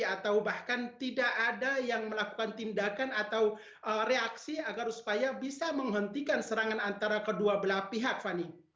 atau bahkan tidak ada yang melakukan tindakan atau reaksi agar supaya bisa menghentikan serangan antara kedua belah pihak fani